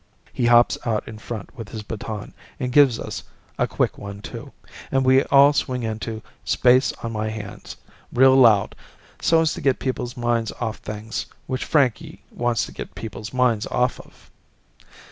He hops out in front with his baton and gives us a quick one two, and we all swing into "Space On My Hands," real loud so as to get people's minds off things which Frankie wants to get people's minds off of.